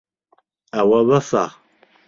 ئەوە بەسە.